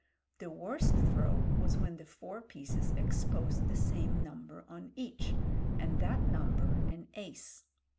The worst throw was when the four pieces exposed the same number on each, and that number an ace.